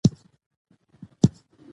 د ښاري او بینالشهري سړکونو ډيزاين او سروې